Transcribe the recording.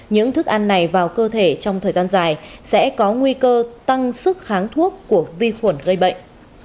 những thức ăn này vào cơ thể trong thời gian dài sẽ có nguy cơ tăng sức kháng thuốc của vi khuẩn gây bệnh